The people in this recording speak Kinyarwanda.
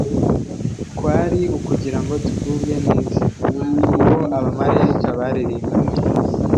kwari ukugira ngo tugubwe neza. Ubwo abamaraika baririmbaga